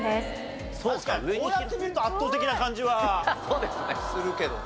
確かにこうやって見ると圧倒的な感じはするけどもね。